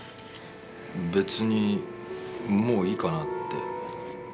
別にもういいかなって。